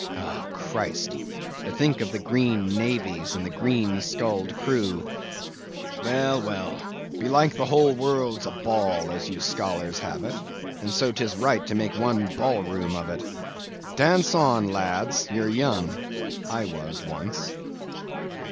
O Christ! to think of the green navies and the green skulled crews! Well, well; belike the whole world's a ball, as you scholars have it; and so 'tis right to make one ballroom of it. Dance on, lads, you're young; I was once.